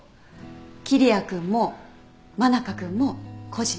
桐矢君も真中君も個人。